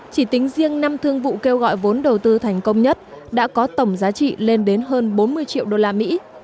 chỉ tính riêng năm thương vụ kêu gọi vốn đầu tư thành công nhất đã có tổng giá trị lên đến hơn bốn mươi triệu đô la mỹ